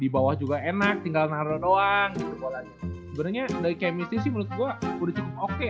bahwa juga enak tinggal nurun luar kualanya sebenarnya passionnya menurut gua lebih cukup oke